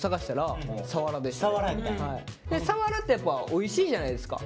鰆ってやっぱおいしいじゃないですか。